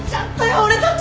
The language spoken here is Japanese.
俺たち！